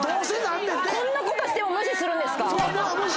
こんなことしても無視する⁉そう。